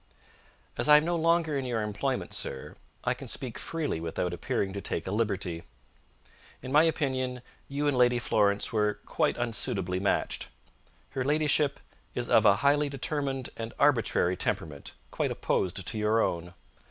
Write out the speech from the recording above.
"As I am no longer in your employment, sir, I can speak freely without appearing to take a liberty. In my opinion you and Lady Florence were quite unsuitably matched. Her ladyship is of a highly determined and arbitrary temperament, quite opposed to your own.